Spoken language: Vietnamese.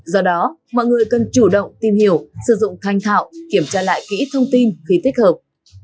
do đó mọi người cần chủ động tìm hiểu sử dụng thanh thạo kiểm tra lại kỹ thông tin khi tích hợp